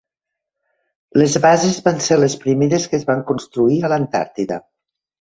Les bases van ser les primeres que es van construir a l'Antàrtida.